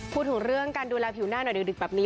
พูดถึงเรื่องการดูแลผิวหน้าหน่อยดึกแบบนี้